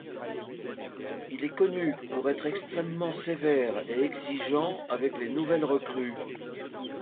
Il est connu pour être extrêmement sévère et exigeant avec les nouvelles recrues.